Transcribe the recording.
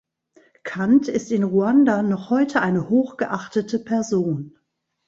Kandt ist in Ruanda noch heute eine hoch geachtete Person.